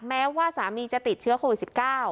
แม้ว่าสามีจะติดเชื้อโควิด๑๙